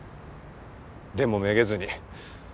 でもめげずに。